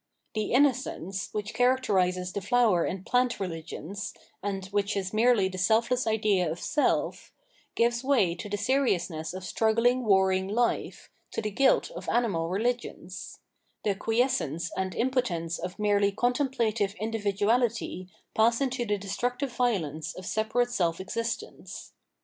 The innocence, which characterises the flower and plant religions, and which is merely the selfless idea of Self, gives way to the seriousness of struggling warring life, to the guilt of animal religions ; the quiescence and impotence of merely contemplative individuahty pass into the destructive violence of separate self existence.